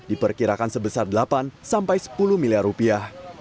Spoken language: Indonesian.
diperkirakan sebesar delapan sampai sepuluh miliar rupiah